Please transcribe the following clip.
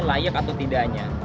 layak atau tidaknya